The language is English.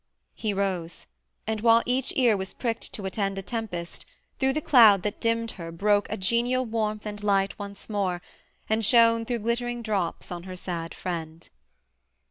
He rose, and while each ear was pricked to attend A tempest, through the cloud that dimmed her broke A genial warmth and light once more, and shone Through glittering drops on her sad friend.